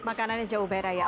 makanannya jauh beda ya